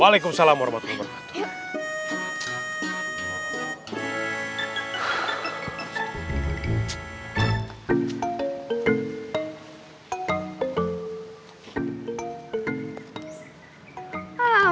waalaikumsalam warahmatullahi wabarakatuh